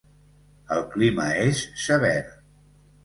El clima és sever.